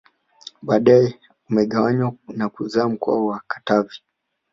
Baadae umegawanywa na kuzaa mkoa wa Katavi